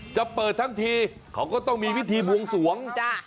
จะเปิดทั้งทีเขาก็ต้องมีพิธีบวงสวง